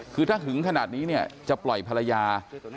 คือถ้าหึงขนาดนี้เนี่ยจะปล่อยภรรยา